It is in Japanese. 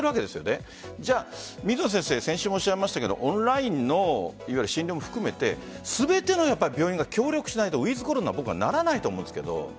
先週もおっしゃいましたがオンライン診療も含めて全ての病院が協力しないとウィズコロナにならないと思うんですけど。